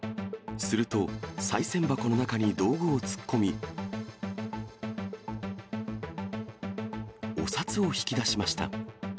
すると、さい銭箱の中に道具を突っ込み、お札を引き出しました。